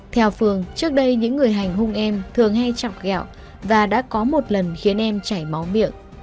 theo phương trước đây những người hành hung em thường hay chọc gạo và đã có một lần khiến em chảy máu miệng